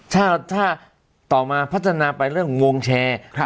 ถ้าต่อมาพัฒนาไปเรื่องของวงแชร์